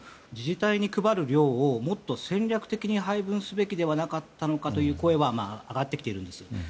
自治体に配る量をもっと戦略的に配分すべきではなかったかという声は上がってきているんです。